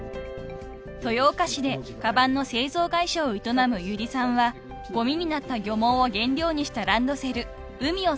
［豊岡市でかばんの製造会社を営む由利さんはごみになった漁網を原料にしたランドセル「ＵＭＩ」を作りました］